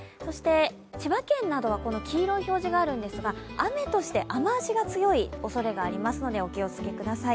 千葉県などは黄色い表示があるんですが雨として雨足が強いおそれがありますのでお気をつけください。